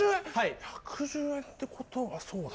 １１０円ってことはそうだ。